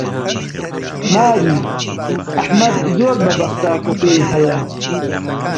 ماری، ئەحمەد زۆر بەبەختە کە تۆی هەیە!